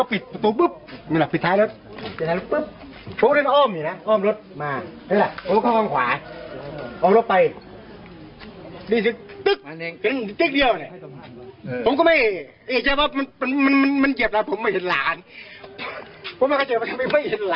ผมไม่เข้าใจว่าเป็นอะไร